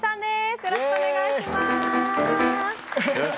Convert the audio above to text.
よろしくお願いします。